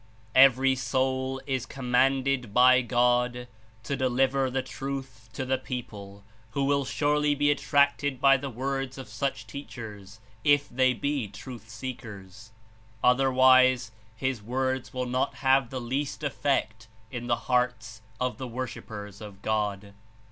"Every soul is commanded by God to deliver the Truth to the people who will surely be attracted by the words of such teachers, if they be truth seekers; otherwise his words will not have the least effect in the hearts of the worshippers of God.